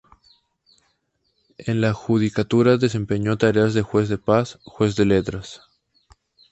En la judicatura desempeñó tareas de Juez de Paz, Juez de Letras.